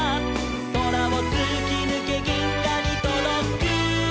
「そらをつきぬけぎんがにとどく」